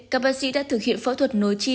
các bác sĩ đã thực hiện phẫu thuật nối chi